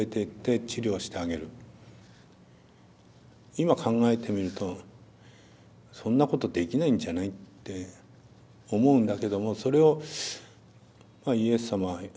今考えてみるとそんなことできないんじゃない？って思うんだけどもそれをイエス様はやりなさいと。